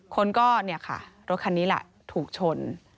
คนก็เนี่ยค่ะรถคันนี้แหละถูกชน